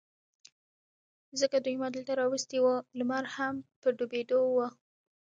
ځکه دوی ما دلته را وستي و، لمر هم په ډوبېدو و.